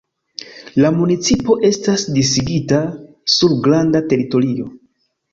La municipo estas disigita sur granda teritorio.